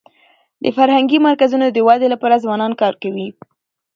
د فرهنګي مرکزونو د ودي لپاره ځوانان کار کوي.